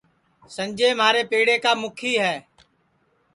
سنجے مھارے پیڑا کا مُکھی ہے